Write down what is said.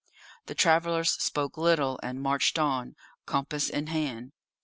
The travellers spoke little, and marched on, compass in hand.